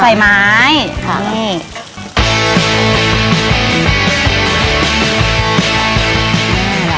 ใส่ไม้นี่